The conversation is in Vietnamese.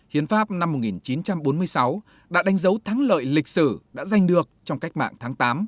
hiến pháp năm một nghìn chín trăm bốn mươi sáu đã đánh dấu thắng lợi lịch sử đã giành được trong cách mạng tháng tám